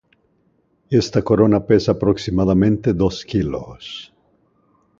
Esta corona pesa aproximadamente dos kilos.